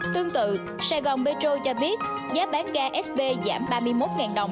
tương tự sài gòn petro cho biết giá bán ga sb giảm ba mươi một đồng